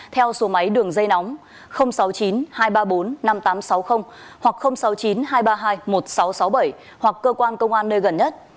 theo số máy đường dây nóng sáu mươi chín hai trăm ba mươi bốn năm nghìn tám trăm sáu mươi hoặc sáu mươi chín hai trăm ba mươi hai một nghìn sáu trăm sáu mươi bảy hoặc cơ quan công an nơi gần nhất